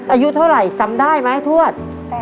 อายุเท่าไหร่จำได้ไหมทวด